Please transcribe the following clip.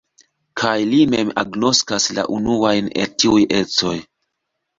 Kaj li mem agnoskas la unuajn el tiuj ecoj.